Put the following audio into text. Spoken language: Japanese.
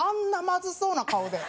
まずそうな顔で。